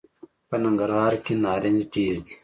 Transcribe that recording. په ننګرهار کي نارنج ډېر دي .